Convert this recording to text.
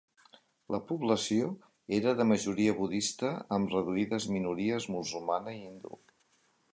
La població era de majoria budista amb reduïdes minories musulmana i hindú.